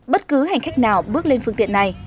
bất cứ hành khách nào bước lên phương tiện này